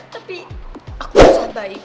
tapi aku usah baik